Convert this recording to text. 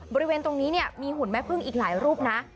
บริเวณตรงนี้เนี่ยมีหุ่นแม่พึ่งอีกหลายรูปนะ